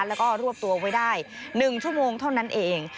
แล้วก็รวบตัวไว้ได้๑ชั่วโมงเท่านั้นเอง